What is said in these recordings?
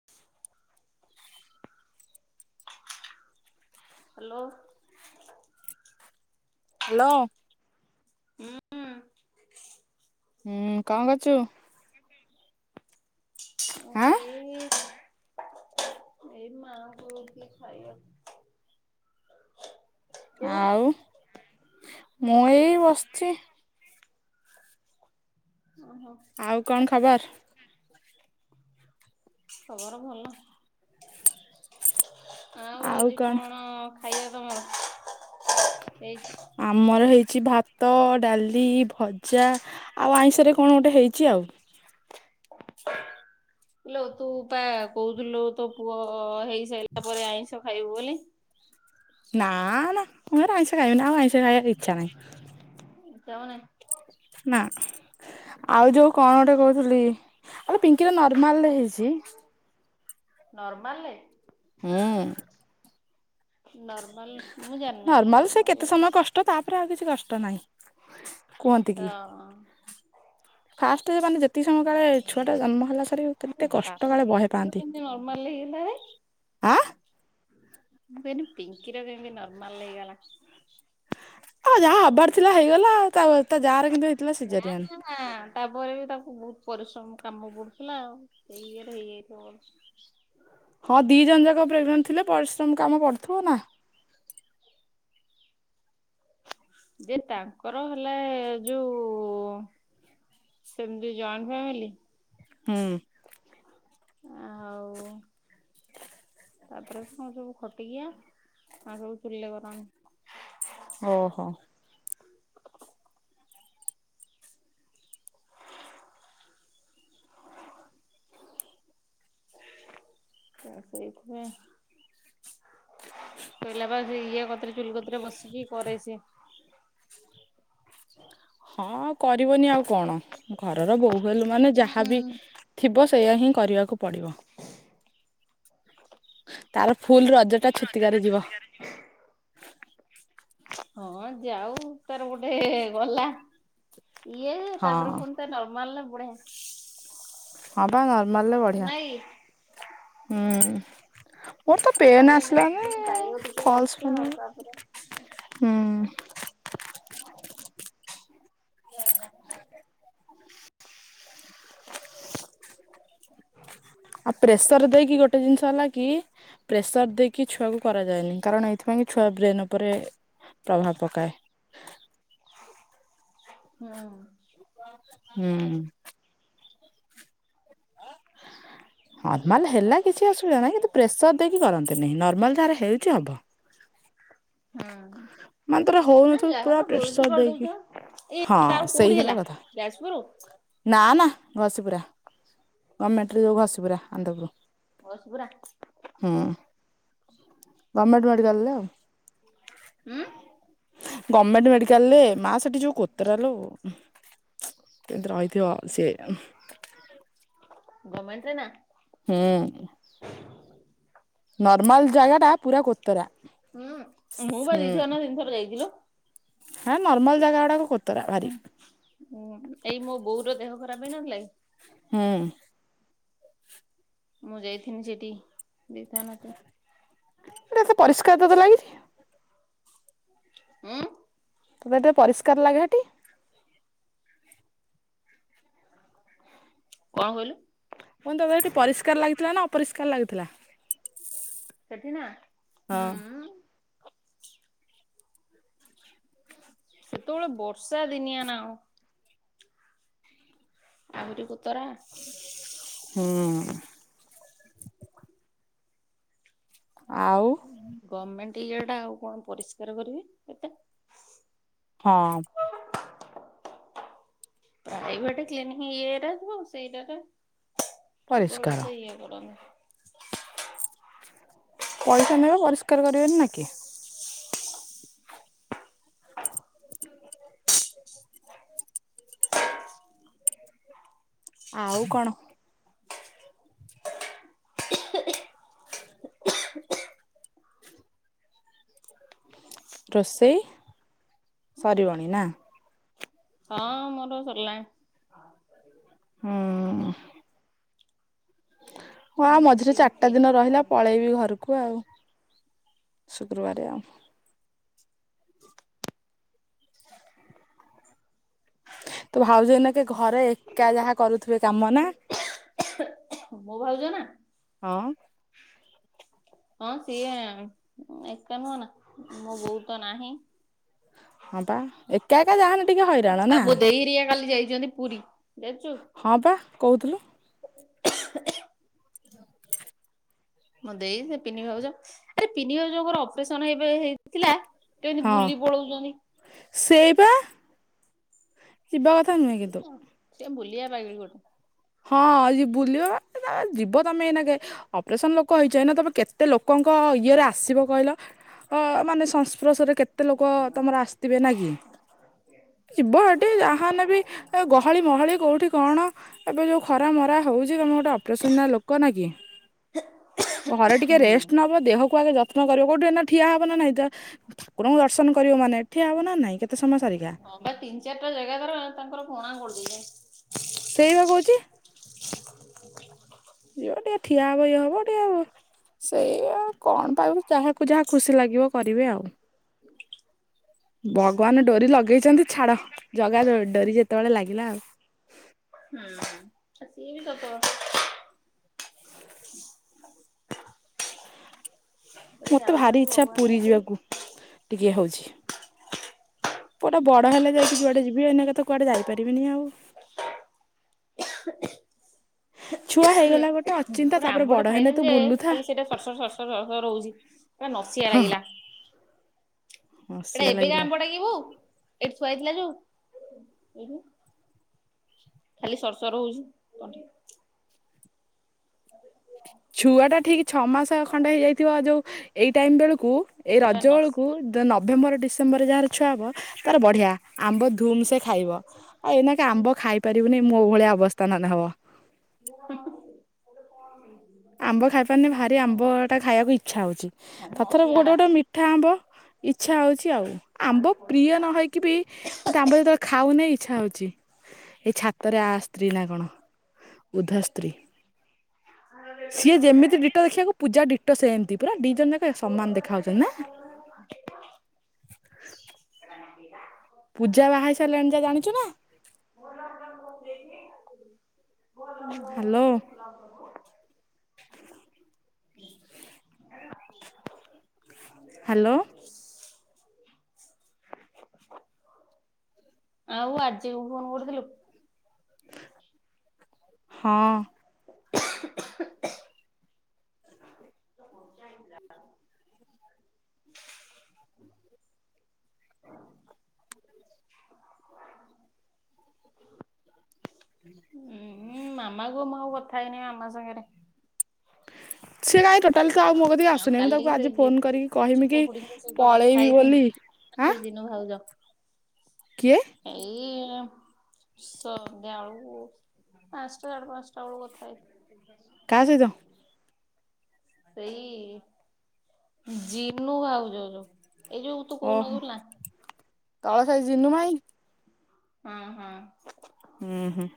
[inaudible] Hello. Hello. ଉଁ ହୁଁ। ହୁଁ କଣ କରୁଛୁ? ଯିବି। ଆଁ। ଏ। ଏଇ ମାଆଙ୍କୁ ଦଉଥିଲି ଖାଇବାକୁ। ତୁ ଆଉ ମୁଁ ଏଇ ବସିଛି। ହଁ। ଆଉ କଣ ଖବର? ଖବର ଭଲ। ଆଉ ଆଜି କଣ ଖାଇବା ତମର ହେଇଚି? ଆମର ହେଇଛି ଭାତ ଡାଲି ଭଜା ଆଉ ଆଇଁଷରେ କଣ ଗୋଟେ ହେଇଛି ଆଉ କିଲୋ ତୁ ପା କହୁଥିଲୁ ତୋ ପୁଅ ହେଇସାରିଲା ପରେ ଆଇଁଷ ଖାଇବୁ ବୋଲି। ନାଁ ନାଁ ମୁଁ ହେରା ଆଇଁଷ ଖାଇବିନି ଆଉ ଆଇଁଷ ଖାଇବାକୁ ଇ [inaudible] ନାଁ। ଆଉ ଯୋଉ କଣ ଗୋଟେ କହୁଥିଲି ଆଲୋ ପିଙ୍କିର ନର୍ମାଲ ହେଇଛି। ନର୍ମାଲରେ। ହୁଁ। ନର୍ମାଲ ମୁଁ ଜାଣିନାହିଁ ନର୍ମାଲଲେ ତ ତାପରେ ଆଉ କିଛି କଷ୍ଟ ନାହିଁ। କୁହନ୍ତି କି। ଅହ। ଫାଷ୍ଟ ମାନେ ଯେତିକି ସମୟ କାଳେ ଛୁଆଟା ଜନ୍ମ ହେଲା ସାରେ କେତେ କଷ୍ଟ କାଳେ ବହେ ପାଆନ୍ତି। ସେ ନର୍ମାଲରେ ହେଇଗଲେ। ଆ ମୁଁ କହିଲି ପିଙ୍କିର କେମିତି ନର୍ମାଲ ହେଇଗଲା? ଆଉ ଯାହା ହବାର ଥିଲା ହେଇଗଲା ତା ତା ଯାଆର କିନ୍ତୁ ହେଇଥିଲା ନା ସିଜରିଆନ। ନା ତାପରେ ବି ତାକୁ ବହୁତ ପରିଶ୍ରମ କାମ ପଡୁଥିଲା ଆଉ ସେଇ ଇଏରେ ହେଇଯାଇଥିବ। ହଁ ଦିଇ ଜଣ ଯାକ ପ୍ରେଗନେଣ୍ଟ ଥିଲେ ପରିଶ୍ରମ କାମ ପଡୁଥିବ ନା। ଯିଏ ତାଙ୍କର ହେଲେ ଯୋଉ ଯେମିତି ଜଏଣ୍ଟ ଫ୍ୟାମିଲି। ହୁଁ। ଆଉ ତାପରେ କଣ ସବୁ ଖଟିକିଆ ଆଉ ସବୁ ଚୁଲିରେ କରନ୍ତି। ଅହ। [inaudible] ତ ସେଇଥିପାଇଁ କହିଲା ବା ସେ ଇଏ କତିରେ ଚୁଲି କତିରେ ବସିକି କରେ ସିଏ। ହଁ କରିବନି ଆଉ କଣ ଘରର ବୋହୁ ହେଲୁ ମାନେ ଯାହାବି ଥିବ ସେଇୟା ହିଁ କରିବାକୁ ପଡ଼ିବ। ତାର ଫୁଲ୍ ରଜଟା ଛୁତିକିଆରେ ଯିବ। ହଁ ଯାଉ ତାର ଗୋଟେ ଗଲା। ଇଏ ହଁ ତାପରେ ପୁଣି ତା ନର୍ମାଲରେ ବଢିଆସେ। ହଁ ବା ନର୍ମାଲରେ ବଢିଆ ନାଇଁ ହୁଁ। ମୋର ତ ପେନ୍ ନର୍ମାଲରେ ଆସିଲାନି ଏଇନା ପାଇବ ଟିକେ ଫଲସ କଷ୍ଟ ପେନ୍ ଆଉ ତାପରେ ହୁଁ [inaudible] ଆଉ ପ୍ରେସର ଦେଇକି ଗୋଟେ ଜିନିଷ ହେଲା କି? ପ୍ରେସର ଦେଇକି ଛୁଆକୁ କରାଯାଏନି କାରଣ ଏଇଥିପାଇଁ କି ଛୁଆ ବ୍ରେନ ଉପରେ ପ୍ରଭାବ ପକାଏ। ହୁଁ। ହୁଁ। ନର୍ମାଲ ହେଲା କିଛି ଅସୁବିଧା ନାହିଁ କିନ୍ତୁ ପ୍ରେସର ଦେଇକି କରନ୍ତି ନେହିଁ ନର୍ମାଲ ଯାହାର ହେଉଛି ହବ। ହଁ। ମାନେ ତୋର ହଉନଥିବ ନାଇଁ ପୁରା ଯାହାର ପ୍ରେସର ବୋହୂତୁ ବଡ ଦେଇକି ଟ ହଁ ଏଇ ତାର ସେଇ କୋଉଠି ହେଲା। କଥା। ଯାସ୍ପୁରୁ। ନା ନା ଘଷିପୁରା ଗମେଣ୍ଟରେ ଘଷି ପୁରା ଆନ୍ଦପୁର। ଘଷିପୁରା। ହୁଁ ଗମେଣ୍ଟ ମେଡିକାଲରେ ଆଉ। ହୁଁ ଗମେଣ୍ଟ ମେଡିକାଲ ରେ ମା ସେଠି ଯୋଉ କୋତରା ଲୁ ଉଁ କେମତି ରହି ଥିବ ସେ। ଗମେଣ୍ଟରେ ନା। ହୁଁ। ନର୍ମାଲ ଜାଗା ଟା ପୁରା କୋତରା ହୁଁ। [unintelligible] ଯାଇଥିଲ। ହଁ ନର୍ମାଲ ଜାଗା ଉଡାକ କୋତରା ଭାରି। ଉୁଁ ଏଇ ମୋ ବୋଉ ର ଦେହ ଖରାପ ହେଇନଥିଲା କି? ହୁଁ। ମୁଁ ଯାଇଥିନି ସେଠି ଦେଇଥାନା ତ ତ ସେ ପରିଷ୍କାର ତ ଏବେ ଲାଗୁଛି। ଉଁ ବୋଧେ ପରିସ୍କାର ଲାଗେ ହେଟି। କଣ କହଲୁ। ମୁଁ କନି ତତେ ହେଟି ପରିଷ୍କାର ଲାଗିଥିଲା ନା ଅପରିଷ୍କାର ଲାଗୁଥିଲା। ସେଠି ନା ହଁ ହୁଁ। ସେତେବେଳେ ବର୍ଷା ଦିନିଆ ନା କଣ। ଆହୁରି କୋତରା। ହୁଁ। ଆଉ ଗମେଣ୍ଟ ଇଏ ଟା ଆଉ କଣ ପରିଷ୍କାର କରିବେ ଏତେ। ହଁ। ପ୍ରାଇଭେଟ କ୍ଲିନିକ୍ ଇଏରା କୁ ସେଇଟାରେ ପରିଷ୍କାର ଭଲସେ ଇଏ କରନ୍ତି। ପଇସା ନେବେ ପରିଷ୍କାର କରିବେନି ନା କି? [inaudible] ଆଉ କଣ। ରୋଷେଇ ସରିବଣି ନା। ହଁ ମୋର ସରିଲାଣି। ହୁଁ। ହଁ ମଝିରେ ଚାରିଟା ପିଙ୍କିର ଦିନ ରହିଲା ପଳେଇବି ଘରକୁ ଆଉ ଶୁକ୍ରବାରେ ଆଉ। ତୋ ଭାଉଜ ଏଇନା କେ ଘରେ ଏକା ଯାହା କରୁଥିବେ କାମ ନା। ମୋ ଭାଉଜ ନା। ହଁ। ହଁ ସିଏ ଏକା ନୁହ ନା ମୋ ବୋଉତ ନାହିଁ। ହଁ ବା ଏ କା ଏକା ଯାହାଲେ ଟିକେ ହଇ ଆ ମୋ ଦେଇରିଆ କାଲି ଯାଇଛନ୍ତି ପୁରୀ ଯାଚୁ। ହଁ ବା କହୁଥୁଲୁ। [inaudible] [inaudible] ମୋ ଦେଇ ସେ ପିନି ଭାଉଜ ଆରେ ପିନି ଭାଉଜଙ୍କର ଅପରେସନ ଏବେ ହେଇଥିଲା। ସେକେନ୍ତି ବୁଲି ପଳଉଛନ୍ତି। ସେଇ ପା। ସେ କିନ୍ତୁ ବୁଲିବା ପାଗେଳି ଗୋଟେ। ହଁ ଆଜି ବୁଲିବ ବା ଯିବ ତମେ ଏଇନା କେ ଅପରେସନ ଲୋକ କହିଛ ନା ତମେ କେତେ ଲୋକଙ୍କ ଇଏରେ ଆସିବ କହିଲ ଅ ମାନେ ସଂସ୍ପର୍ଶରେ କେତେ କେତେ ଲୋକ ତମର ଆସିଥିବେ ନା କି। ଯିବ ହେଠି ଯାହା ହେଲେବି ଏ ଗହଳି ମହଳି କୋଉଠି କଣ। ଏବେ ଯେଉଁ ଖରା ମରା ହେଉଛି ତୁମେ ଗୋଟେ ଅପରେସନ ନା ଲୋକ ନା କି? ଘରେ ଟିକେ ହୁଁ ରେଷ୍ଟ ନେବ ଦେହକୁ ଆଗେ ଯତ୍ନ କରିବ କୋଉଠି ଏନା ଠିଆ ହବ ନା ନାଇଁ ତା ଠାକୁରଙ୍କୁ ଦର୍ଶନ କରିବ ମାନେ ଠିଆ ହବ ନା ନାଇଁ କେତେ ସମୟ ସାରିକା। ହଁ ପା ତିନି ଚାରିଟା ଜାଗା ଧର ତାଙ୍କର ପଣା କରିଦେଇଛି। ସେଇପା କହୁଛି। ଯିବ ଟିକେ ଠିଆ ହବ ଇଏ ହବ ଟିକେ ଆଉ। ସେଇୟା କଣ ପାଇବୁ ଯାହାକୁ ଯାହା ଖୁସି ଲାଗିବ କରିବେ ଆଉ। ଭଗବାନ ଡୋରି ଲଗେଇଛନ୍ତି ଛାଡ ଜଗା ଡୋରି ଯେତେବେଳେ ଲାଗିଲା ଆଉ। ହୁଁ ସିଏ ବି ସତ କଥା। କଥା ମତେ ଭାରି ଯାଉଛନ୍ତି ଇଚ୍ଛା ଭଗବାନଙ୍କ ପୁରୀ କତିକି ଯିବାକୁ ଟିକେ ହଉଛି। ପୁଅଟା ବଡ଼ ହେଲେ ଯାଇକି ଯୁଆଡେ ଯିବି ଏନେକା ତ କୁଆଡେ ଯାଇପାରିବିନି ଆଉ। ଛୁଆ ହେଇଗଲା ଅଚିନ୍ତା ଗୋଟେ ତାପରେ ଆମ୍ବଟେ ବଡ ହେଲେ ଖାଇଦେଲିି ତୁ ଯେ ବୁଲୁଥା ଖାଲି ସେଇଟା ସର୍ ସର୍ ସର୍ ସର୍ ସର୍ ସର୍ ସର୍ ହଉଛି। ସେଟା ନସିଆ ହଁ ଲାଗିଲା। ଏଟା ହସିବା ଏବେ କା ଲାଗିଲା। ଆମ୍ୱ ଟା କି ବାଉ ଏଠି ଥୁଆ ହେଇଥିଲା ଯାଉ ଏଠି। ଖାଲି ସର୍ ସର୍ ହଉଛି ତଣ୍ଟି। ଛୁଆଟା ଠିକ ଛଅ ମାସ ଖଣ୍ଡେ ହେଇଯାଇଥିବ ଯୋଉ ଏଇ ଟାଇମ୍ ବେଳକୁ ଏଇ ସେଟା ରଜ ନସି ବେଳକୁ ନଭେମ୍ବର ଡିସେ ସେମ୍ବର୍ ଯାହାର ଛୁଆ ହବ ତାର ବଢ଼ିଆ ଆମ୍ବ ଧୁମ ସେ ଖାଇବ। ଆଉ ଏଇନାକେ ଆମ୍ବ ଖାଇ ପାରିବୁନି ମୁଁ ଭଳିଆ ଅବସ୍ଥା ନଲେ ହେବ। ଆମ୍ବ ଖାଇପାରୁନି ଭାରି ଆମ୍ବଟା ଖାଇବାକୁ ଇଚ୍ଛା ହେଉଛି। ଥର ଥର ଗୋଟେ ନସିଆଟା ଗୋଟେ ମିଠା ଆମ୍ବ ଇଚ୍ଛା ହଉଛି ଆଉ ଆମ୍ବ ପ୍ରିୟ ନହଇ କି ବି ମତେ ଆମ୍ବ ଯେତେବେଳେ ଖାଉନି ଇଚ୍ଛା ହଉଛି ଏଇ ଛାତରେ ଆ ସ୍ତ୍ରୀ ନା କଣ? ବୁଦ୍ଧାସ୍ତ୍ରୀ। ସିଏ ଯେମିତି ଡିଟୋ ଦେଖିବାକୁ ପୂଜା ଡିଟୋ ସେମିତି ପୁରା ଦି ଜଣ ଯାକ ସମାନ ଦେଖା ଯାଉଛନ୍ତି ନା। ସେ ନିଲା। ପୂଜା ବାହା ହେଇ ସାରିଲାଣି ଜା ଜାଣିଛ ନା? ହାଲୋ। ହାଲୋ। ଆଉ ଆଜି ଫୋନ କରୁଥିଲୁ? ହଁ। ଉଁଁ ମାମା କୁ ମୁଁ ଆଉ କଥା ହେଇନି ମାମା ସାଙ୍ଗରେ। ସିଏ କାଇଁ ଆଉ ଟୋଟାଲ ଆଉ ମୋ କତିକି ଆଉ ଆସୁନି। ମୁଁ କାଲି ତାକୁ ସେ ଆଜି ଯିଏ ଫୋନ କରିକି କହମି ଜିନୁ କି ଖୁଡିଙ୍କ ସହିତ କଥା ପଳେଇବି ହେଇଥିନି ବୋଲି। ଆଁ ସେ ଜିନ ଭାଉଜ। କିଏ? ଏଇ ସନ୍ଧ୍ୟାବେଳକୁ ପାଞ୍ଚଟା ସାଢେ ପାଞ୍ଚଟା ବେଳକୁ କଥା ହେଇ କାହା ସହିତ? ସେଇ ଜିନୁ ଭାଉଜ ଯୋଉ ଏଇ ଯୋଉ ତୁ ଓହୋ କହୁନଥିଲୁ ନା। ତଳ ସାଇ ଜିନୁ ଭାଇ ହଁ ହଁ। ହୁଁ ହୁଁ।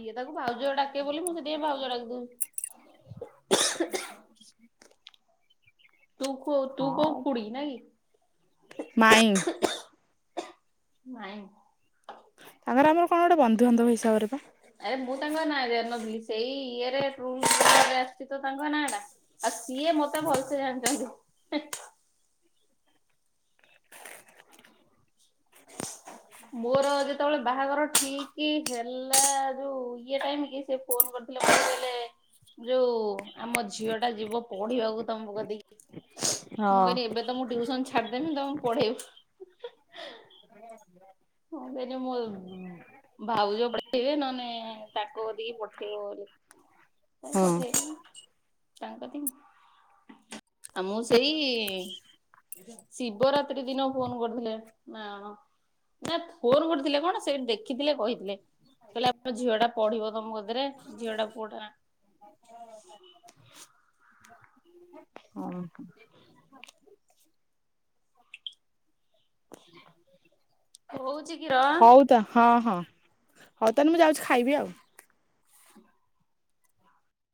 ଇଏ ତାକୁ ଭାଉଜ ଡାକେ ବୋଲି ମୁଁ ସେଥିପାଇଁ ଭାଉଜ ଡାକିଦେଉଛି। [inaudible] ତୁ କ ତୁ କୋଉ ହଁ ଖୁଡି ନାହିଁ ମାଇଁ କି? ନାଇଁ। ତାଙ୍କର ଆମର କଣ ଗୋଟେ ବନ୍ଧୁ ବାନ୍ଧବ ହିସାବରେ ବା ଆରେ ମୁଁ ତାଙ୍କ ନାଁ ଜାଣିନଥିଲି ସେଇ ଇଏରେ ଆସିଛି ତ ତାଙ୍କ ନାଁ ଟା। ଆଉ ସିଏ ମତେ ଭଲସେ ଜାଣିଛନ୍ତି। ମୋର ଯେତେବେଳେ ବାହାଘର ଠିକି ହେଲା ଯୋଉ ଇଏ ଟାଇମ କି ସେ ଫୋନ କରିଥିଲେ। ମୋତେ କହିଲେ ଯୋଉ ଆମ ଝିଅଟା ଯିବ ପଢିବାକୁ ତମ କତିକି। ହଁ ମୁଁ କହିଲି ଏବେ ତ୍ ତ ମୁଁ ଟ୍ୟୁସନ ଛାଡିଦେବି ତମକୁ ପଢେଇବି। [inaudible] [inaudible] ଭାଉଜ ପଠେଇବେ ନହେଲେ ତାଙ୍କ କତିକି ପଠେଇବ ବୋଲି। ହଁ। ପଠେଇଥିଲି ତାଙ୍କ କତିକି ଆ ମୁଁ ସେଇ ଶିବରାତ୍ରି ଦିନ ଫୋନ କରିଥିଲେ। ନା ହଁ। ନା ଫୋନ କରୁଥିଲେ କଣ ସେଠି ଦେଖିଥିଲେ କହିଥିଲେ। କହିଲେ ଆପଣ ଝିଅଟା ପଢିବ ତ ମୋ କତିରେ ଝିଅଟା ପୁଅଟା ହଁ। [inaudible] ହଉଛି କି ରହ? ହଉ ତ ହଁ ହଁ ହଉ ତାହେଲେ ମୁଁ ଯାଉଛି ଖାଇବି ଆଉ